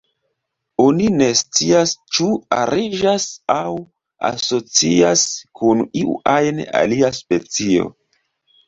Oni ne scias ĉu ariĝas aŭ asocias kun iu ajn alia specio.